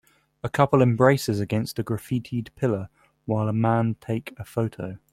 A couple embraces against a graffited pillar while a man take a photo.